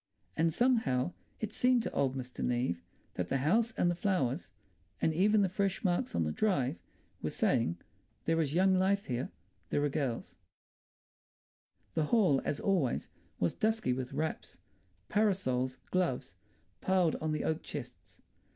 And somehow, it seemed to old Mr. Neave that the house and the flowers, and even the fresh marks on the drive, were saying, "There is young life here. There are girls—" The hall, as always, was dusky with wraps, parasols, gloves, piled on the oak chests.